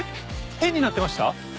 「変」になってました？